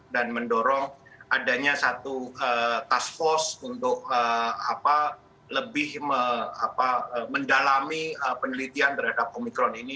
dan mendorong adanya satu task force untuk lebih mendalami penelitian terhadap omikron ini